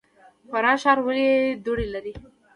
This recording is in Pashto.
فراه ښار ولې دوړې لري؟